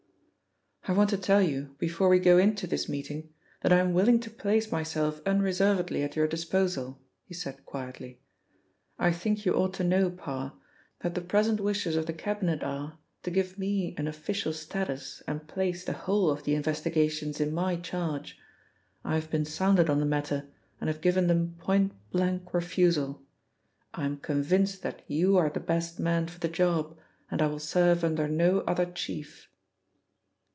"I want to tell you, before we go into this meeting, that I am willing to place myself unreservedly at your disposal," he said quietly. "I think you ought to know, Parr, that the present wishes of the Cabinet are to give me an official status and place the whole of the investigations in my charge. I have been sounded on the matter, and have given them point blank refusal. I am convinced that you are the best man for the job, and I will serve under no other chief."